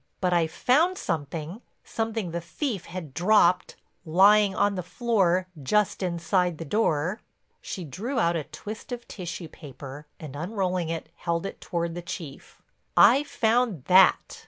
"But I found something, something the thief had dropped, lying on the floor just inside the door." She drew out a twist of tissue paper, and unrolling it held it toward the Chief; "I found that."